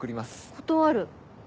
断る。